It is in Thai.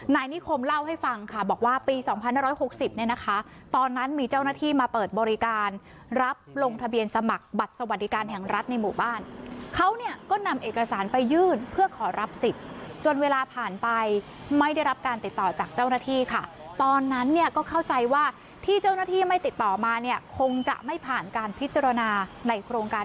นายนิคมเล่าให้ฟังค่ะบอกว่าปี๒๕๖๐เนี่ยนะคะตอนนั้นมีเจ้าหน้าที่มาเปิดบริการรับลงทะเบียนสมัครบัตรสวัสดิการแห่งรัฐในหมู่บ้านเขาเนี่ยก็นำเอกสารไปยื่นเพื่อขอรับสิทธิ์จนเวลาผ่านไปไม่ได้รับการติดต่อจากเจ้าหน้าที่ค่ะตอนนั้นเนี่ยก็เข้าใจว่าที่เจ้าหน้าที่ไม่ติดต่อมาเนี่ยคงจะไม่ผ่านการพิจารณาในโครงการ